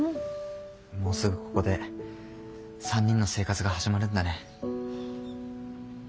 もうすぐここで３人の生活が始まるんだね。